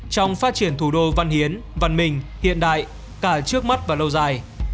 trong phát triển thủ đô văn hiến văn minh hiện đại cả trước mắt và lâu dài